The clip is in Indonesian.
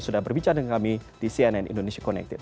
sudah berbicara dengan kami di cnn indonesia connected